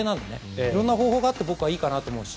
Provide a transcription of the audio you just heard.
いろんな方法があって僕はいいと思うし。